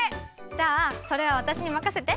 じゃあそれはわたしにまかせて！